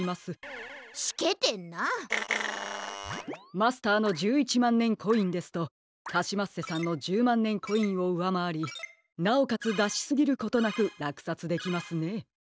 マスターの１１まんねんコインですとカシマッセさんの１０まんねんコインをうわまわりなおかつだしすぎることなくらくさつできますね。